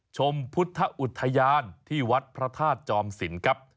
ชมพุทธอุทยานที่วัดพระธาตุจอมสินครับ